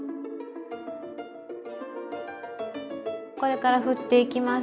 これからふっていきます。